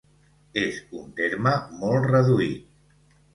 És un terme molt reduït.